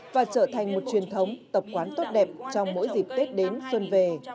và trở thành một truyền thống tập quán tốt đẹp trong mỗi dịp tết đến xuân về